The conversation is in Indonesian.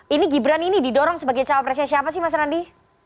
ini gibran ini didorong sebagai cawapresnya siapa sih mas randi